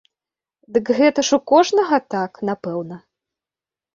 Дык гэта ж у кожнага так, напэўна?